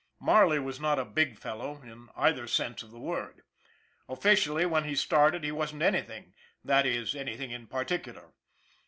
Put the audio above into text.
Marley was not a " Big Fellow " in either sense of the word. Officially, when he started in, he wasn't anything that is, anything in particular.